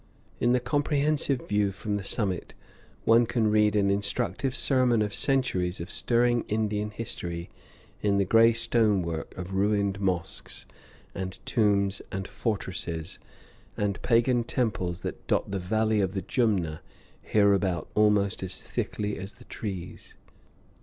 In the comprehensive view from the summit one can read an instructive sermon of centuries of stirring Indian history in the gray stone work of ruined mosques and tombs and fortresses and pagan temples that dot the valley of the Jumna hereabout almost as thickly as the trees.